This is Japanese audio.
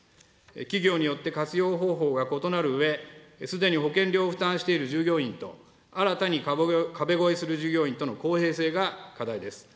企業によって活用方法が異なるうえ、すでに保険料を負担している従業員と、新たに壁越えする従業員との公平性が課題です。